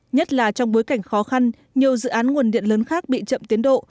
nhất là trong bối cảnh khó khăn nhiều dự án nguồn điện lớn khác bị chậm tiến độ